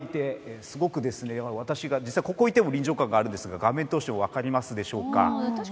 目の前に都会が広がっていてここにいても臨場感があるんですが画面通しても分かりますでしょうか。